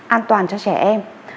an toàn cho trẻ em